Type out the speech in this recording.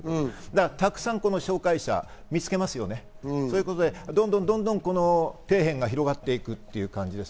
たくさん紹介者を見つけますよね。ということで、どんどん底辺が広がっていくという感じです。